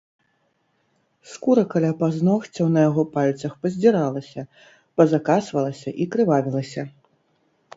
Скура каля пазногцяў на яго пальцах паздзіралася, пазакасвалася і крывавілася.